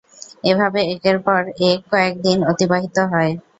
এভাবে একের পর এক কয়েকদিন অতিবাহিত হয়।